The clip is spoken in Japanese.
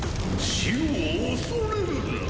死を恐れるな。